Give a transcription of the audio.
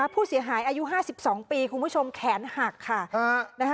ผู้เสียหายอายุ๕๒ปีคุณผู้ชมแขนหักค่ะ